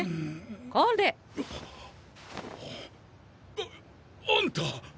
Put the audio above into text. ああんた！